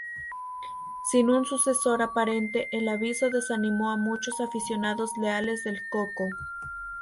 Sin un sucesor aparente, el aviso desanimó a muchos aficionados leales del CoCo.